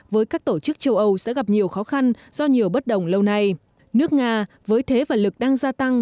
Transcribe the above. với các tổ chức châu âu sẽ gặp nhiều khó khăn do nhiều bất đồng lâu nay nước nga với thế và lực đang gia tăng